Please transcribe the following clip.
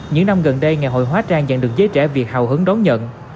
những năm gần đây ngày hội hóa trang dặn được giới trẻ việc hào hứng đón nhận